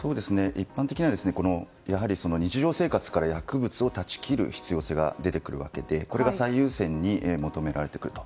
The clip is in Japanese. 一般的には日常生活から薬物を断ち切る必要性が出てくるわけでこれが最優先に求められてくると。